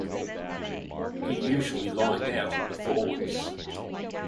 He usually lined out in the forwards.